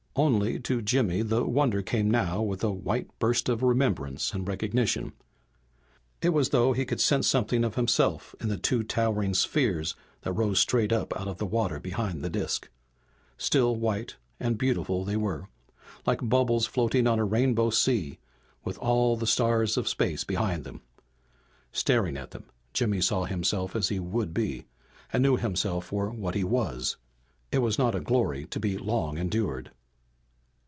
Only to Jimmy the wonder came now with a white burst of remembrance and recognition. It was as though he could sense something of himself in the two towering spheres that rose straight up out of the water behind the disk. Still and white and beautiful they were, like bubbles floating on a rainbow sea with all the stars of space behind them. Staring at them, Jimmy saw himself as he would be, and knew himself for what he was. It was not a glory to be long endured.